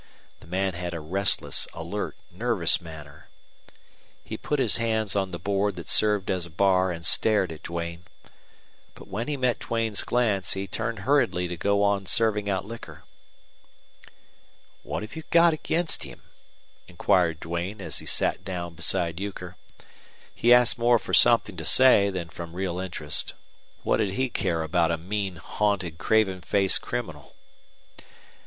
The man had a restless, alert, nervous manner. He put his hands on the board that served as a bar and stared at Duane. But when he met Duane's glance he turned hurriedly to go on serving out liquor. "What have you got against him?" inquired Duane, as he sat down beside Euchre. He asked more for something to say than from real interest. What did he care about a mean, haunted, craven faced criminal?